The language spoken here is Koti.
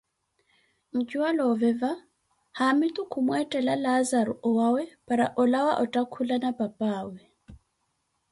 njuwalooveva haamitu kumwettela Laazaru owaawe para olawa otthakhulana papaawe .